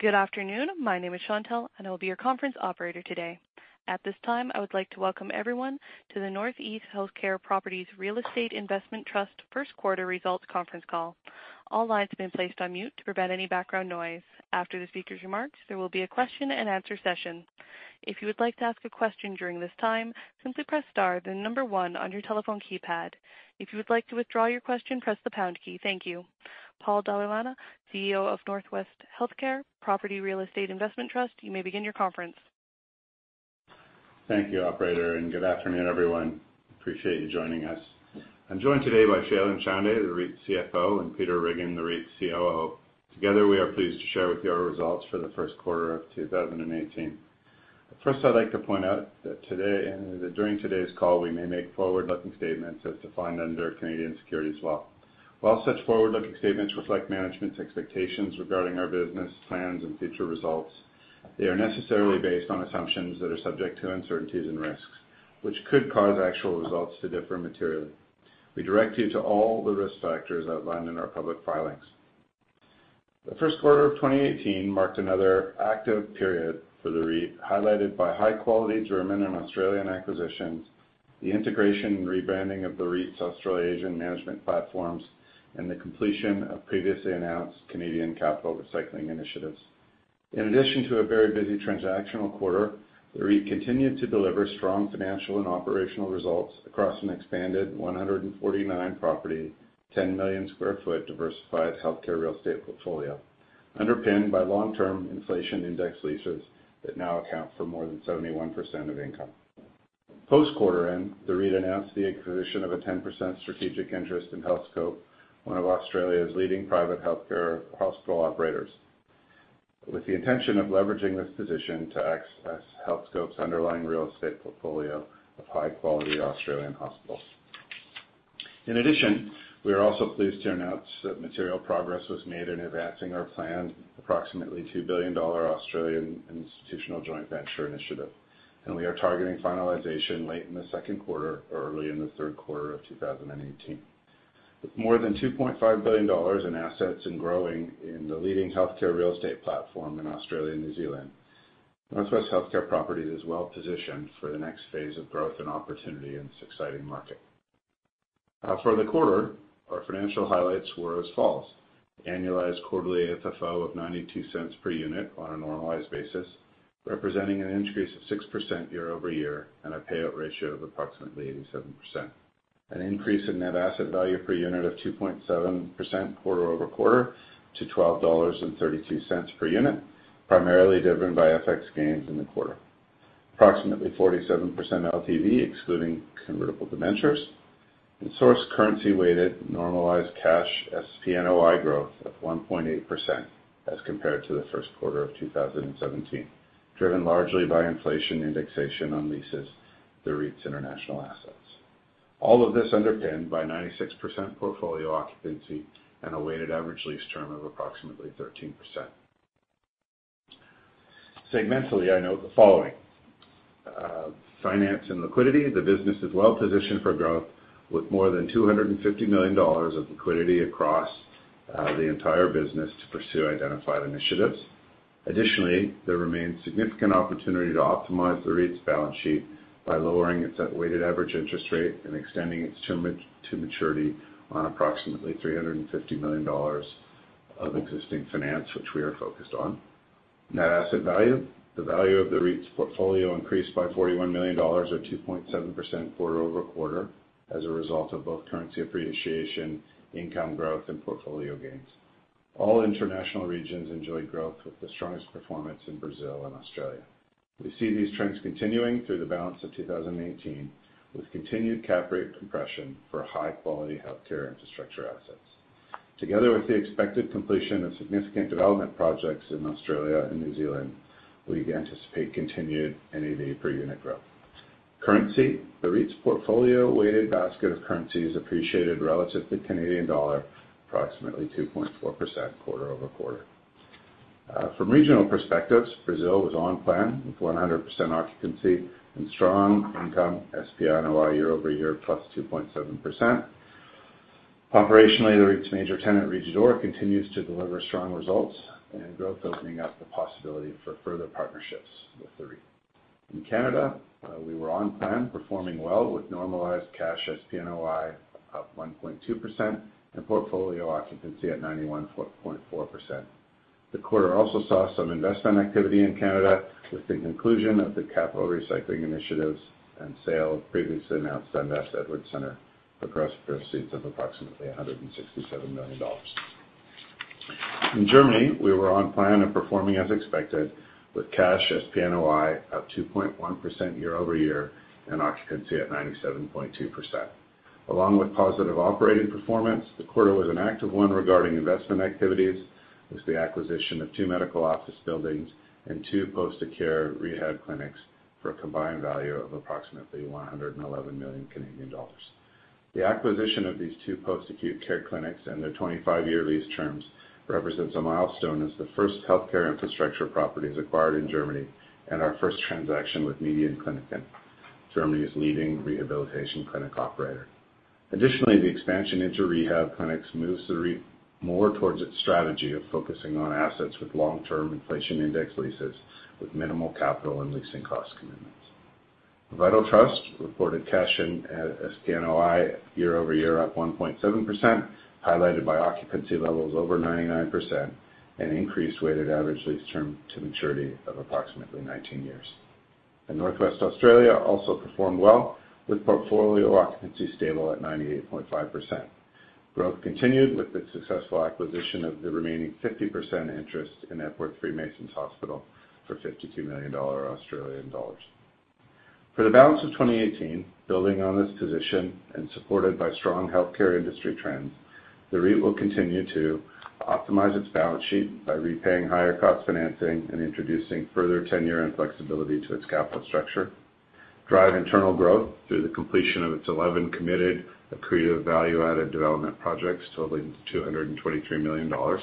Good afternoon. My name is Chantelle, and I will be your conference operator today. At this time, I would like to welcome everyone to the Northwest Healthcare Properties Real Estate Investment Trust First Quarter Results Conference Call. All lines have been placed on mute to prevent any background noise. After the speaker's remarks, there will be a question and answer session. If you would like to ask a question during this time, simply press star then number one on your telephone keypad. If you would like to withdraw your question, press the pound key. Thank you. Paul Dalla Lana, CEO of Northwest Healthcare Properties Real Estate Investment Trust, you may begin your conference. Thank you, operator. Good afternoon, everyone. Appreciate you joining us. I'm joined today by Shailen Chande, the REIT's CFO, and Peter Riggin, the REIT's COO. Together, we are pleased to share with you our results for the first quarter of 2018. First, I'd like to point out that during today's call, we may make forward-looking statements as defined under Canadian Securities law. While such forward-looking statements reflect management's expectations regarding our business plans and future results, they are necessarily based on assumptions that are subject to uncertainties and risks, which could cause actual results to differ materially. We direct you to all the risk factors outlined in our public filings. The first quarter of 2018 marked another active period for the REIT, highlighted by high-quality German and Australian acquisitions, the integration and rebranding of the REIT's Australia-Asia management platforms, and the completion of previously announced Canadian capital recycling initiatives. In addition to a very busy transactional quarter, the REIT continued to deliver strong financial and operational results across an expanded 149 property, 10 million square foot diversified healthcare real estate portfolio, underpinned by long-term inflation index leases that now account for more than 71% of income. Post quarter-end, the REIT announced the acquisition of a 10% strategic interest in Healthscope, one of Australia's leading private healthcare hospital operators. With the intention of leveraging this position to access Healthscope's underlying real estate portfolio of high-quality Australian hospitals. In addition, we are also pleased to announce that material progress was made in advancing our planned approximately 2 billion Australian dollars Australian institutional joint venture initiative. We are targeting finalization late in the second quarter or early in the third quarter of 2018. With more than 2.5 billion dollars in assets and growing in the leading healthcare real estate platform in Australia and New Zealand, Northwest Healthcare Properties is well-positioned for the next phase of growth and opportunity in this exciting market. For the quarter, our financial highlights were as follows: annualized quarterly FFO of 0.92 per unit on a normalized basis, representing an increase of 6% year-over-year, and a payout ratio of approximately 87%. An increase in net asset value per unit of 2.7% quarter-over-quarter to 12.32 dollars per unit, primarily driven by FX gains in the quarter. Approximately 47% LTV, excluding convertible debentures, source currency-weighted normalized cash SPNOI growth of 1.8% as compared to the first quarter of 2017, driven largely by inflation indexation on leases the REIT's international assets. All of this underpinned by 96% portfolio occupancy and a weighted average lease term of approximately 13%. Segmentally, I note the following. Finance and liquidity. The business is well positioned for growth with more than 250 million dollars of liquidity across the entire business to pursue identified initiatives. Additionally, there remains significant opportunity to optimize the REIT's balance sheet by lowering its weighted average interest rate and extending its term to maturity on approximately 350 million dollars of existing finance, which we are focused on. Net asset value. The value of the REIT's portfolio increased by 41 million dollars, or 2.7%, quarter-over-quarter as a result of both currency appreciation, income growth, and portfolio gains. All international regions enjoyed growth, with the strongest performance in Brazil and Australia. We see these trends continuing through the balance of 2018, with continued cap rate compression for high-quality healthcare infrastructure assets. Together with the expected completion of significant development projects in Australia and New Zealand, we anticipate continued NAV per unit growth. Currency. The REIT's portfolio-weighted basket of currencies appreciated relative to Canadian dollar approximately 2.4% quarter-over-quarter. From regional perspectives, Brazil was on plan, with 100% occupancy and strong income SPNOI year-over-year, +2.7%. Operationally, the REIT's major tenant, Rede D'Or, continues to deliver strong results and growth, opening up the possibility for further partnerships with the REIT. In Canada, we were on plan, performing well, with normalized cash SPNOI up 1.2% and portfolio occupancy at 91.4%. The quarter also saw some investment activity in Canada with the conclusion of the capital recycling initiatives and sale of previously announced Sun Life Financial Edwards Centre across proceeds of approximately 167 million dollars. In Germany, we were on plan and performing as expected with cash SPNOI up 2.1% year-over-year and occupancy at 97.2%. Along with positive operating performance, the quarter was an active one regarding investment activities with the acquisition of two medical office buildings and two post-acute care rehab clinics for a combined value of approximately 111 million Canadian dollars. The acquisition of these two post-acute care clinics and their 25-year lease terms represents a milestone as the first healthcare infrastructure properties acquired in Germany and our first transaction with MEDIAN Kliniken. Germany's leading rehabilitation clinic operator. Additionally, the expansion into rehab clinics moves the REIT more towards its strategy of focusing on assets with long-term inflation index leases, with minimal capital and leasing cost commitments. Vital Trust reported cash and SPNOI year-over-year +1.7%, highlighted by occupancy levels over 99% and increased weighted average lease term to maturity of approximately 19 years. In Northwest Australia, also performed well, with portfolio occupancy stable at 98.5%. Growth continued with the successful acquisition of the remaining 50% interest in Epworth Freemasons Hospital for 52 million Australian dollars. For the balance of 2018, building on this position and supported by strong healthcare industry trends, the REIT will continue to optimize its balance sheet by repaying higher cost financing and introducing further tenure and flexibility to its capital structure. Drive internal growth through the completion of its 11 committed accretive value-added development projects totaling 223 million dollars.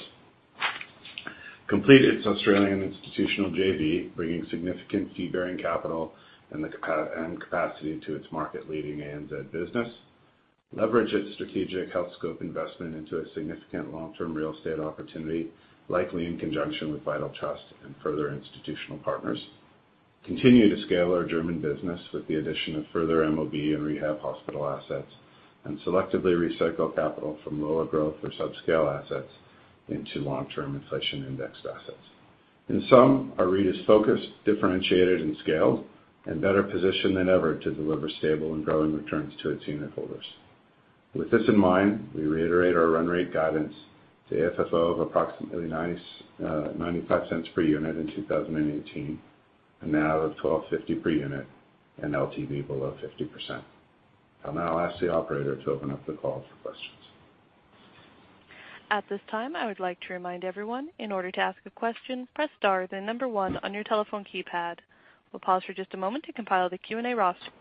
Complete its Australian institutional JV, bringing significant fee-bearing capital and capacity to its market-leading ANZ business. Leverage its strategic Healthscope investment into a significant long-term real estate opportunity, likely in conjunction with Vital Trust and further institutional partners. Continue to scale our German business with the addition of further MOB and rehab hospital assets. Selectively recycle capital from lower growth or subscale assets into long-term inflation-indexed assets. In sum, our REIT is focused, differentiated, and scaled, and better positioned than ever to deliver stable and growing returns to its unitholders. With this in mind, we reiterate our run rate guidance to AFFO of approximately 0.95 per unit in 2018, a NAV of 12.50 per unit and LTV below 50%. I'll now ask the operator to open up the call for questions. At this time, I would like to remind everyone, in order to ask a question, press star, then number one on your telephone keypad. We'll pause for just a moment to compile the Q&A roster.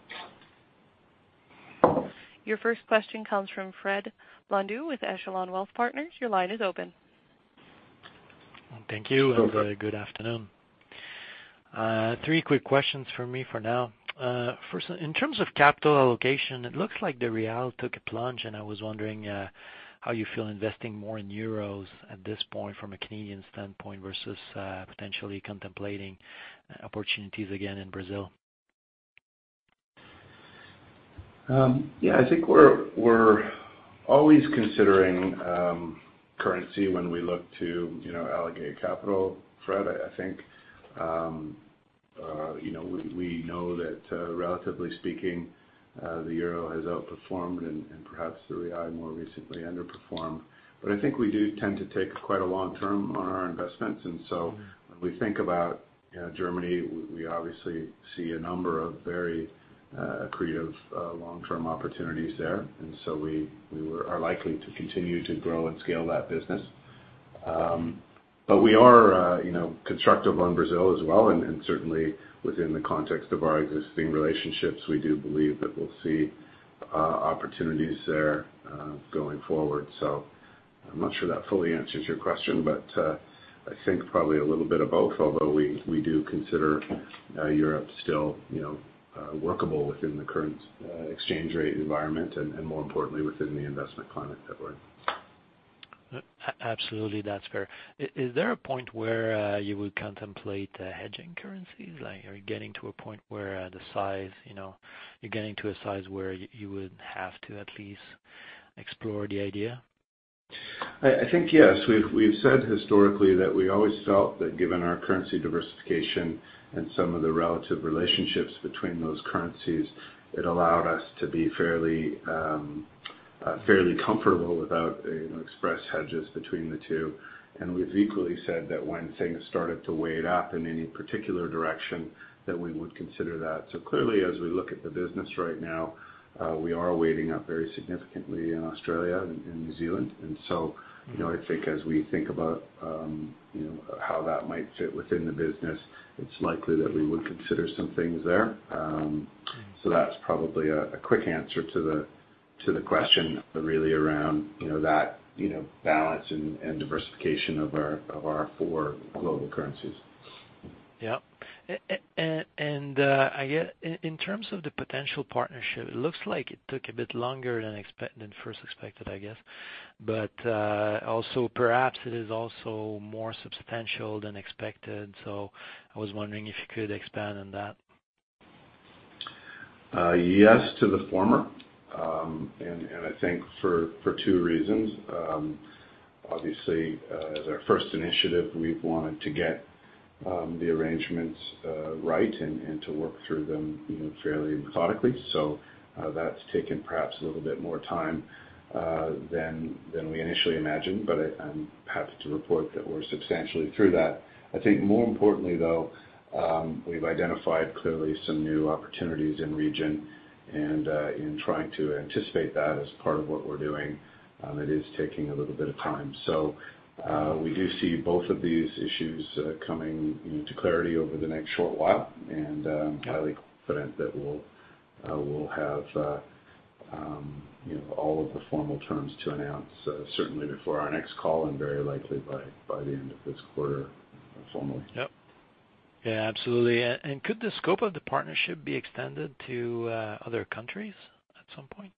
Your first question comes from Frederic Blondeau with Echelon Wealth Partners. Your line is open. Thank you. Go ahead. Good afternoon. Three quick questions from me for now. First, in terms of capital allocation, it looks like the Real took a plunge, and I was wondering how you feel investing more in euros at this point from a Canadian standpoint versus potentially contemplating opportunities again in Brazil. I think we're always considering currency when we look to allocate capital, Fred. We know that, relatively speaking, the euro has outperformed and perhaps the Real more recently underperformed. I think we do tend to take quite a long-term on our investments. When we think about Germany, we obviously see a number of very accretive long-term opportunities there. We are likely to continue to grow and scale that business. We are constructive on Brazil as well, and certainly within the context of our existing relationships, we do believe that we'll see opportunities there going forward. I'm not sure that fully answers your question, but I think probably a little bit of both, although we do consider Europe still workable within the current exchange rate environment and more importantly, within the investment climate that we're in. Absolutely. That's fair. Is there a point where you would contemplate hedging currencies? Are you getting to a point where you're getting to a size where you would have to at least explore the idea? I think yes. We've said historically that we always felt that given our currency diversification and some of the relative relationships between those currencies, it allowed us to be fairly comfortable without express hedges between the two. We've equally said that when things started to weight up in any particular direction, that we would consider that. Clearly, as we look at the business right now, we are weighting up very significantly in Australia and New Zealand. I think as we think about how that might fit within the business, it's likely that we would consider some things there. That's probably a quick answer to the question, but really around that balance and diversification of our four global currencies. Yeah. In terms of the potential partnership, it looks like it took a bit longer than first expected, I guess. Also perhaps it is also more substantial than expected. I was wondering if you could expand on that. Yes to the former. I think for two reasons. Obviously, as our first initiative, we wanted to get the arrangements right and to work through them fairly methodically. That's taken perhaps a little bit more time than we initially imagined, but I'm happy to report that we're substantially through that. More importantly, though, we've identified clearly some new opportunities in region and in trying to anticipate that as part of what we're doing, it is taking a little bit of time. We do see both of these issues coming into clarity over the next short while, and I'm highly confident that we'll have all of the formal terms to announce, certainly before our next call and very likely by the end of this quarter. Yep. Yeah, absolutely. Could the scope of the partnership be extended to other countries at some point?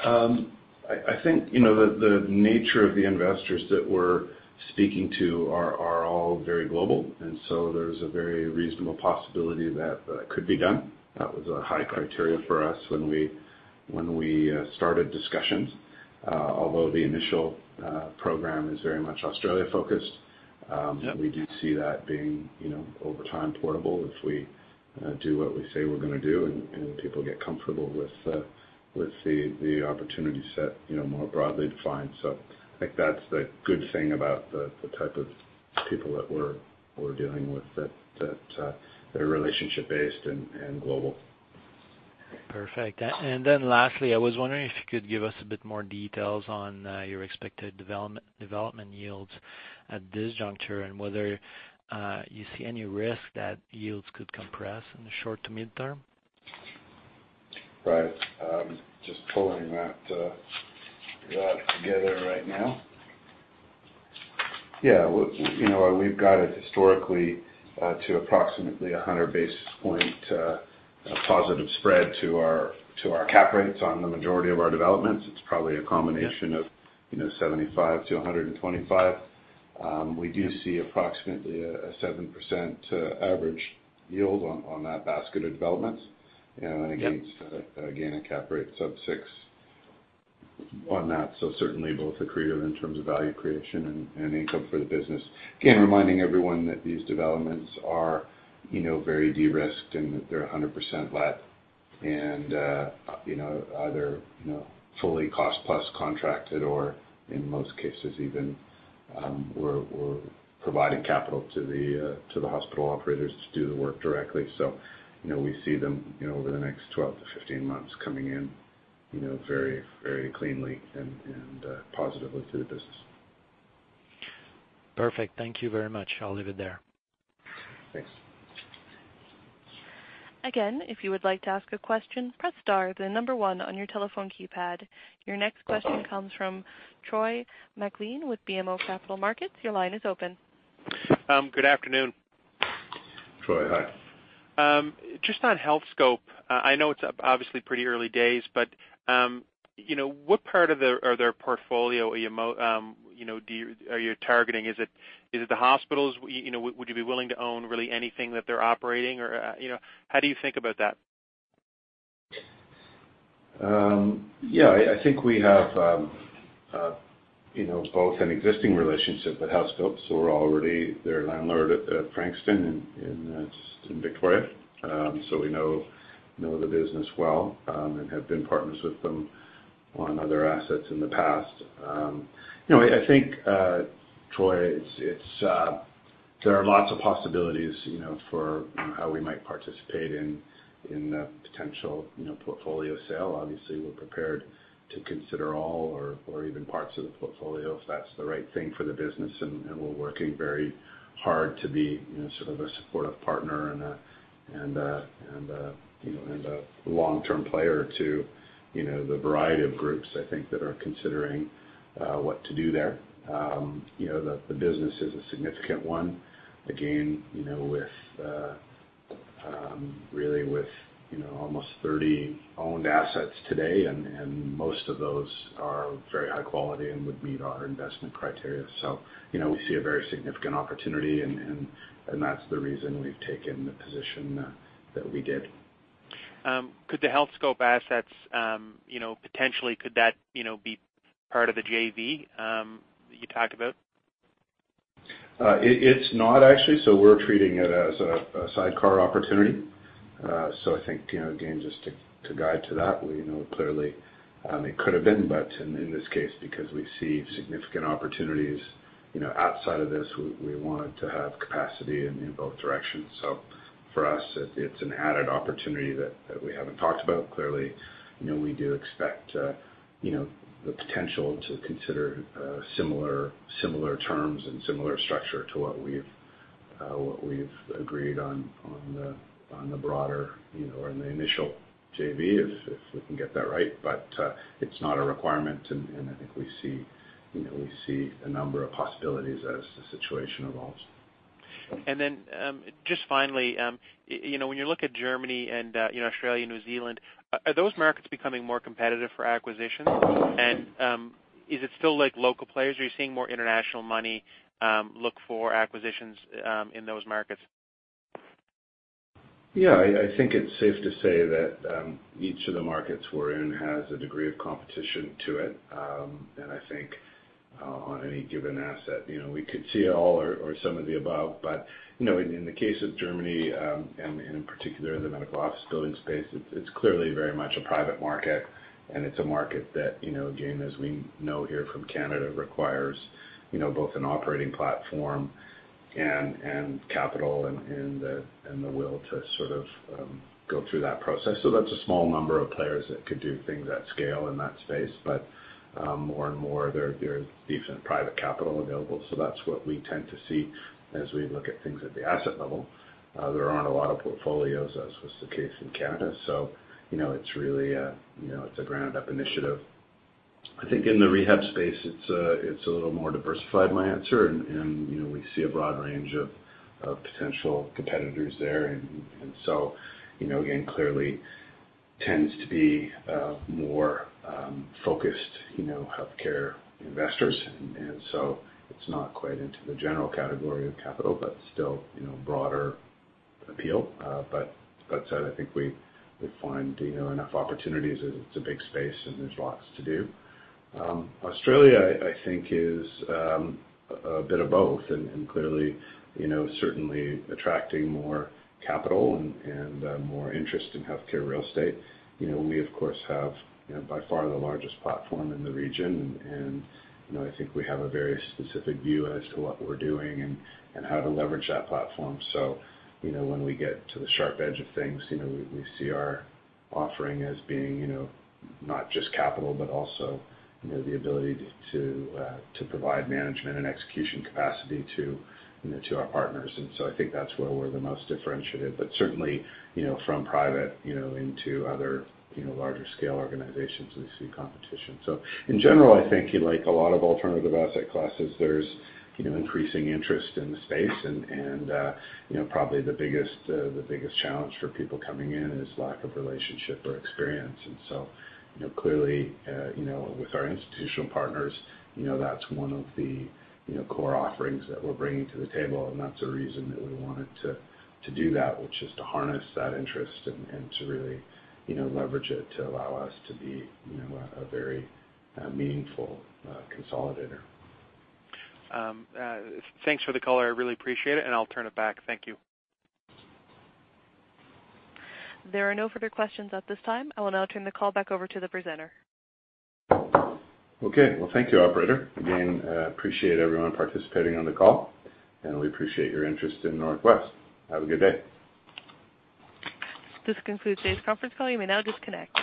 I think the nature of the investors that we're speaking to are all very global, so there's a very reasonable possibility that could be done. That was a high criteria for us when we started discussions. Although the initial program is very much Australia focused. Yep We do see that being, over time, portable, if we do what we say we're going to do and people get comfortable with the opportunity set more broadly defined. I think that's the good thing about the type of people that we're dealing with, that they're relationship based and global. Perfect. Lastly, I was wondering if you could give us a bit more details on your expected development yields at this juncture, and whether you see any risk that yields could compress in the short to midterm. Right. Just pulling that together right now. Yeah. We've got it historically to approximately 100 basis point, positive spread to our cap rates on the majority of our developments. It's probably a combination of 75 to 125. We do see approximately a 7% average yield on that basket of developments. Yep. Against, again, a cap rate sub 6 on that. Certainly both accretive in terms of value creation and income for the business. Again, reminding everyone that these developments are very de-risked and that they're 100% let and either fully cost plus contracted or in most cases even, we're providing capital to the hospital operators to do the work directly. We see them over the next 12-15 months coming in very cleanly and positively to the business. Perfect. Thank you very much. I'll leave it there. Thanks. If you would like to ask a question, press star one on your telephone keypad. Your next question comes from Troy MacLean with BMO Capital Markets. Your line is open. Good afternoon. Troy, Hi. Just on Healthscope. I know it's obviously pretty early days, what part of their portfolio are you targeting? Is it the hospitals? Would you be willing to own really anything that they're operating, how do you think about that? Yeah, I think we have both an existing relationship with Healthscope, we're already their landlord at Frankston in Victoria. We know the business well and have been partners with them on other assets in the past. I think, Troy, there are lots of possibilities for how we might participate in a potential portfolio sale. Obviously, we're prepared to consider all or even parts of the portfolio if that's the right thing for the business. We're working very hard to be sort of a supportive partner and a long-term player to the variety of groups, I think, that are considering what to do there. The business is a significant one. Again, really with almost 30 owned assets today, most of those are very high quality and would meet our investment criteria. We see a very significant opportunity, that's the reason we've taken the position that we did. Could the Healthscope assets, potentially, could that be part of the JV you talked about? It's not, actually. We're treating it as a sidecar opportunity. I think, again, just to guide to that, we know clearly it could have been, in this case, because we see significant opportunities outside of this, we wanted to have capacity in both directions. For us, it's an added opportunity that we haven't talked about. Clearly, we do expect the potential to consider similar terms and similar structure to what we've agreed on the broader or in the initial JV, if we can get that right. It's not a requirement, and I think we see a number of possibilities as the situation evolves. Just finally, when you look at Germany and Australia, New Zealand, are those markets becoming more competitive for acquisitions? Is it still local players, or are you seeing more international money look for acquisitions in those markets? I think it's safe to say that each of the markets we're in has a degree of competition to it. I think on any given asset, we could see all or some of the above. In the case of Germany, and in particular in the medical office building space, it's clearly very much a private market, and it's a market that, again, as we know here from Canada, requires both an operating platform and capital and the will to sort of go through that process. That's a small number of players that could do things at scale in that space. More and more, there is decent private capital available, that's what we tend to see as we look at things at the asset level. There aren't a lot of portfolios, as was the case in Canada. It's a ground-up initiative I think in the rehab space, it's a little more diversified, my answer, and we see a broad range of potential competitors there. Again, clearly tends to be more focused healthcare investors. It's not quite into the general category of capital, but still broader appeal. That said, I think we find enough opportunities. It's a big space, and there's lots to do. Australia, I think is a bit of both and clearly certainly attracting more capital and more interest in healthcare real estate. We, of course, have by far the largest platform in the region, and I think we have a very specific view as to what we're doing and how to leverage that platform. When we get to the sharp edge of things, we see our offering as being not just capital, but also the ability to provide management and execution capacity to our partners. I think that's where we're the most differentiated, but certainly, from private into other larger scale organizations, we see competition. In general, I think like a lot of alternative asset classes. There's increasing interest in the space, and probably the biggest challenge for people coming in is lack of relationship or experience. Clearly, with our institutional partners, that's one of the core offerings that we're bringing to the table, and that's a reason that we wanted to do that, which is to harness that interest and to really leverage it to allow us to be a very meaningful consolidator. Thanks for the color. I really appreciate it, and I'll turn it back. Thank you. There are no further questions at this time. I will now turn the call back over to the presenter. Okay. Well, thank you, operator. Again, appreciate everyone participating on the call, and we appreciate your interest in Northwest. Have a good day. This concludes today's conference call. You may now disconnect.